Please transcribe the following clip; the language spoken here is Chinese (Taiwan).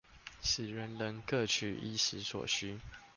使人人各取衣食所需